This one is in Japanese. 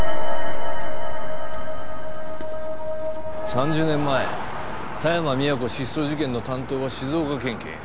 ３０年前田山宮子失踪事件の担当は静岡県警。